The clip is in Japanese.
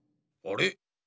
あれ？